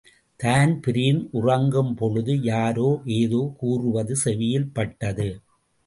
Dan Breen உறங்கும் பொழுது யாரோ ஏதோ கூறுவது செவியில் பட்டது.